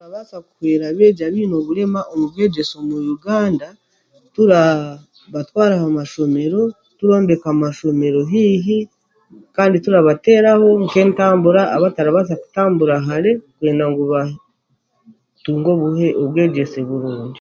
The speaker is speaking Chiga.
Turabaasa kuhweera abegyezi abeine oburema omu bwegesa omu Uganda turabatwara aha mashomero, turombeka amashomero hiihi kandi turabatereaho nk'entambura abatarabaasa kutambura hare kwenda ngu batungye obwegesa burungi.